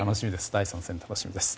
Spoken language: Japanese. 第３戦、楽しみです。